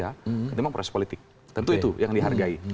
jadi proses pro justisia memang proses politik tentu itu yang dihargai